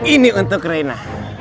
ini untuk rena